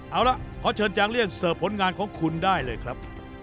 เอาละขอเชิญจางเลี่ยงเสิร์ฟผลงานของคุณได้เลยครับ